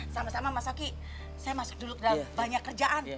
sama sama mas oki saya masuk dulu ke dalam banyak kerjaan